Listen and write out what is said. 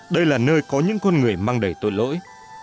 đây là nơi có những con người mang đầy tội lỗi